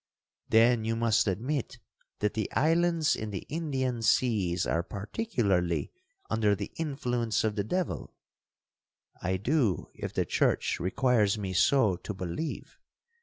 '—'Then you must admit that the islands in the Indian seas are particularly under the influence of the devil?'—'I do, if the church requires me so to believe.'